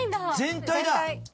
全体だ！